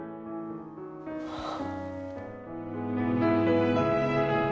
はあ。